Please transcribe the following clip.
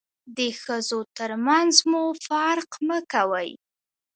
د ښځو تر منځ مو فرق مه کوئ.